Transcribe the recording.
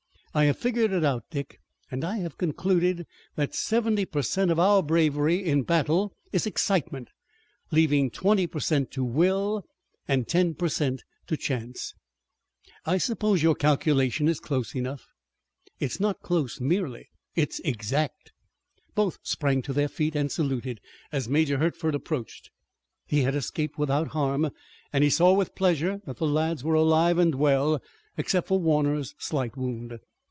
I have figured it out, Dick, and I have concluded that seventy per cent of our bravery in battle is excitement, leaving twenty per cent to will and ten per cent to chance." "I suppose your calculation is close enough." "It's not close merely. It's exact." Both sprang to their feet and saluted as Major Hertford approached. He had escaped without harm and he saw with pleasure that the lads were alive and well, except for Warner's slight wound.